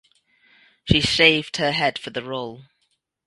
She shaved her head for the role.